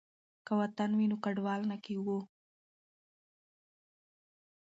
که وطن وي نو کډوال نه کیږو.